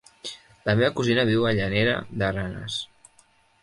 La meva cosina viu a Llanera de Ranes.